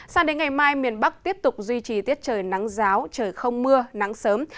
sang đến ngày mai miền bắc tiếp tục duy trì tiết trời nắng giáo trời không mưa nắng sớm